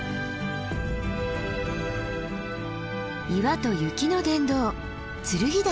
岩と雪の殿堂剱岳。